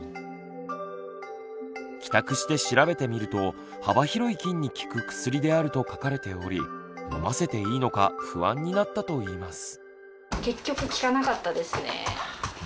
帰宅して調べてみると幅広い菌に効く薬であると書かれており飲ませていいのか不安になったといいます。